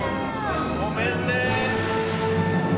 ごめんね。